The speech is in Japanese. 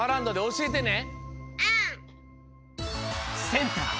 センター